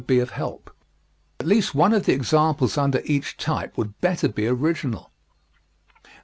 At least one of the examples under each type would better be original.